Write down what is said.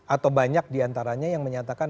atau banyak diantaranya yang menyatakan